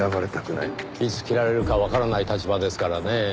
いつ切られるかわからない立場ですからねぇ。